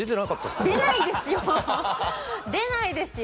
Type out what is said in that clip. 出ないですよ！